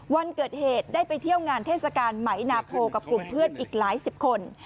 วันเกิดเหตุได้ไปเที่ยวงานเทศกาลไหมนาโพกับกลุ่มเพื่อนอีกหลายสิบคน